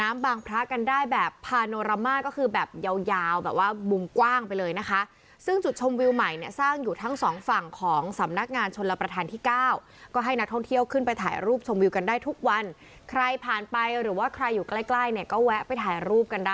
อ่างเก็บน้ำบางพระกันได้แบบ